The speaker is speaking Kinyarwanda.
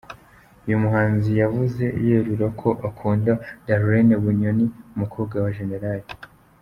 Uyu muhanzi yavuze yerura ko akunda Darlene Bunyoni, umukobwa wa Gen.